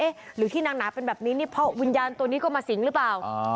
หรือที่นางหนาเป็นแบบนี้นี่เพราะวิญญาณตัวนี้ก็มาสิงหรือเปล่า